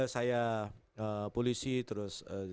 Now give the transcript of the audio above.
saya polisi terus